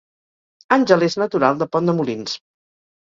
Àngel és natural de Pont de Molins